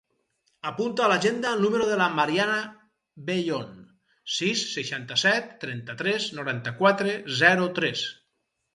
Apunta a l'agenda el número de la Mariana Bellon: sis, seixanta-set, trenta-tres, noranta-quatre, zero, tres.